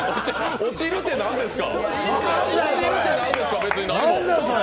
落ちるって何ですか？